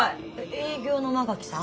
営業の馬垣さん？